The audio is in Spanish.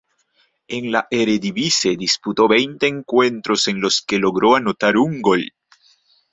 En la Eredivisie, disputó veinte encuentros en los que logró anotar un gol.